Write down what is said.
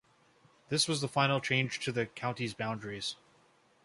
This was the final change to the county's boundaries.